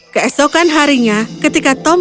keesokan harinya ketika tom